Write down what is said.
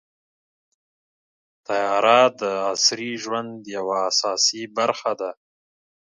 طیاره د عصري ژوند یوه اساسي برخه ده.